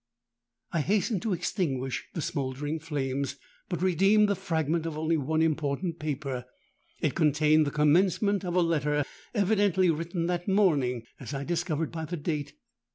I hastened to extinguish the smouldering flames, but redeemed the fragment of only one important paper. It contained the commencement of a letter evidently written that morning, as I discovered by the date.